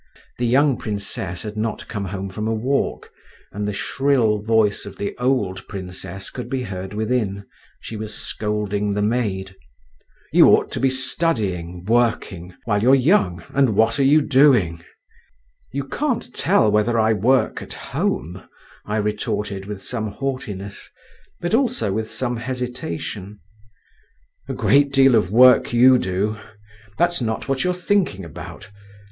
(The young princess had not come home from a walk, and the shrill voice of the old princess could be heard within; she was scolding the maid.) "You ought to be studying, working—while you're young—and what are you doing?" "You can't tell whether I work at home," I retorted with some haughtiness, but also with some hesitation. "A great deal of work you do! that's not what you're thinking about!